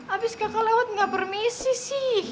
abis kakak lewat nggak permisi sih